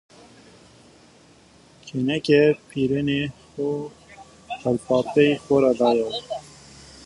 Kêneke pirênê xo qelbapey xo ra dayo